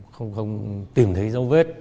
không tìm thấy dấu vết